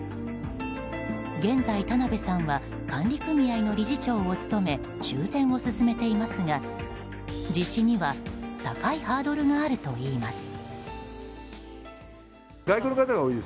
現在、田邊さんは管理組合の理事長を務め修繕を進めていますが実施には高いハードルがあるといいます。